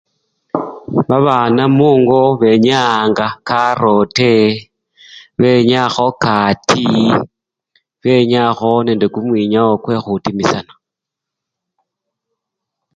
Babana mungo benyayanga karote, benyayakho kati, benyayakho nende kumwinyawo kwekhutimisyana.